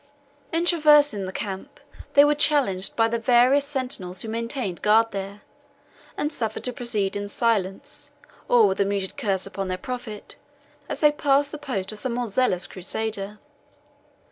In traversing the camp, they were challenged by the various sentinels who maintained guard there, and suffered to proceed in silence, or with a muttered curse upon their prophet, as they passed the post of some more zealous Crusader.